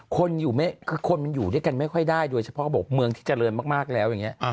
คือคนมันอยู่ด้วยกันไม่ค่อยได้โดยเฉพาะเขาบอกเมืองที่เจริญมากแล้วอย่างนี้